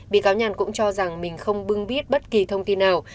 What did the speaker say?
bị cáo nhàn cũng cho rằng mình không bưng biết bất kỳ thông tin nào